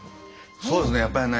そうですね。